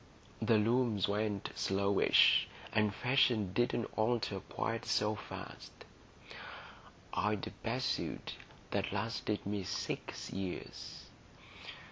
The looms went slowish, and fashions didn't alter quite so fast; I'd a best suit that lasted me six years.